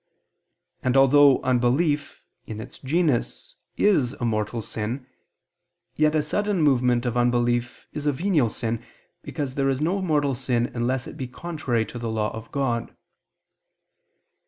And although unbelief, in its genus, is a mortal sin, yet a sudden movement of unbelief is a venial sin, because there is no mortal sin unless it be contrary to the law of God.